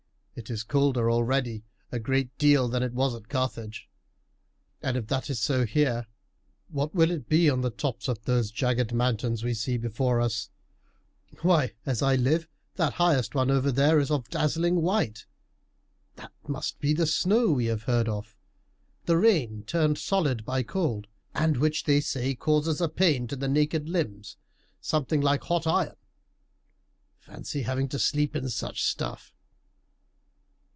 It is colder already a great deal than it was at Carthage; and if that is so here, what will it be on the tops of those jagged mountains we see before us? Why, as I live, that highest one over there is of dazzling white! That must be the snow we have heard of the rain turned solid by cold, and which they say causes a pain to the naked limbs something like hot iron. Fancy having to sleep in such stuff!"